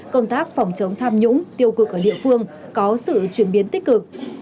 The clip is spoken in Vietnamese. công tác phòng chống tham nhũng tiêu cực ở địa phương có sự chuyển biến tích cực